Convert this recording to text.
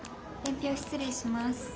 伝票失礼します。